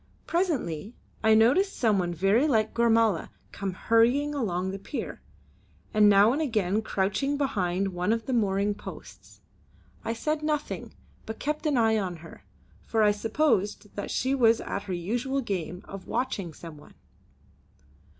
Presently I noticed some one very like Gormala come hurrying along the pier, and now and again crouching behind one of the mooring posts. I said nothing but kept an eye on her, for I supposed that she was at her usual game of watching some one.